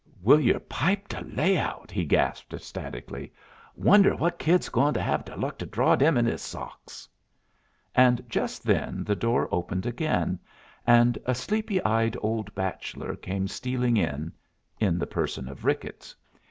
"Will yer pipe de layout!" he gasped ecstatically. "Wonder what kid's goin' to have de luck to draw dem in his socks?" And just then the door opened again, and a sleepy eyed old bachelor came stealing in, in the person of Ricketts.